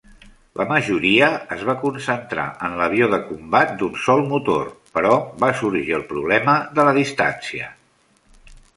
La majoria es va concentrar en l'avió de combat d'un sol motor, però va sorgir el problema de la distància.